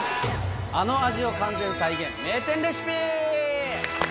あの味を完全再現、名店レシピ。